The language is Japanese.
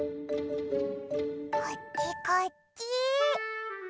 こっちこっち！